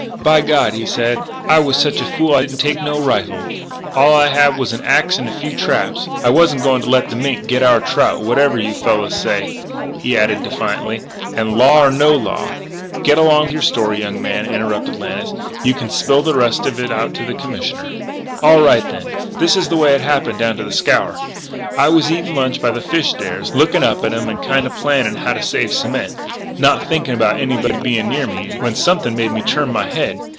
"By God," he said, "I was such a fool I didn't take no rifle. All I had was an axe and a few traps.... I wasn't going to let the mink get our trout whatever you fellows say," he added defiantly, " and law or no law " "Get along with your story, young man," interrupted Lannis; " you can spill the rest out to the Commissioner." "All right, then. This is the way it happened down to the Scaur. I was eating lunch by the fish stairs, looking up at 'em and kind of planning how to save cement, and not thinking about anybody being near me, when something made me turn my head....